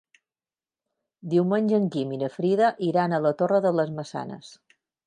Diumenge en Guim i na Frida iran a la Torre de les Maçanes.